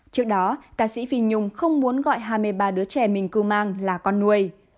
trước đó ca sĩ phi nhung không muốn gọi hai mươi ba đứa trẻ mình cưu mang là con nuôi